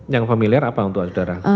yang familiar apa untuk saudara